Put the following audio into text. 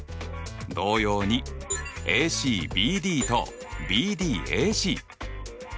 同様にＡＣＢＤとＢＤＡＣ。